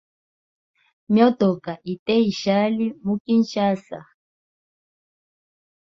Myotoka ite ishali mu Kinshasa.